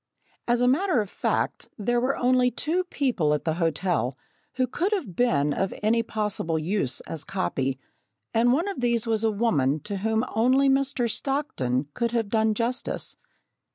As a matter of fact, there were only two people at the hotel who could have been of any possible use as copy, and one of these was a woman to whom only Mr. Stockton could have done justice.